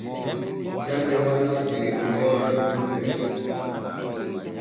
Jande wala der gureeje fulɓe.